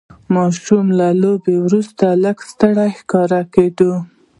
ماشوم له لوبو وروسته لږ ستړی ښکاره کېده.